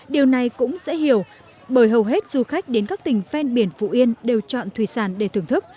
điều này cũng dễ hiểu bởi hầu hết du khách đến các tỉnh ven biển phụ yên đều chọn thủy sản để thưởng thức